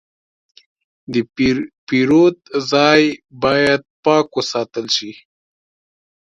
د پیرود ځای باید پاک وساتل شي.